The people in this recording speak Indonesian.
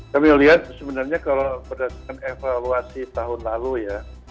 kami melihat sebenarnya kalau berdasarkan evaluasi tahun lalu ya